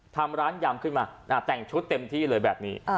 ทำร้านยำขึ้นมาแต่งชุดเต็มที่เลยแบบนี้